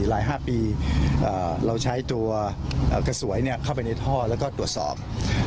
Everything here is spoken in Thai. หลาย๕ปีเราใช้ตัวกระสวยเข้าไปในท่อแล้วก็ตรวจสอบ